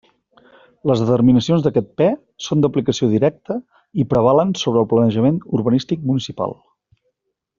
Les determinacions d'aquest PE són d'aplicació directa i prevalen sobre el planejament urbanístic municipal.